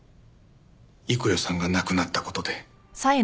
幾代さんが亡くなった事で。